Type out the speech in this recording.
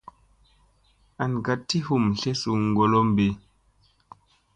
An ka ti hum tlesu golombi.